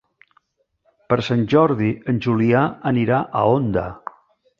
Per Sant Jordi en Julià anirà a Onda.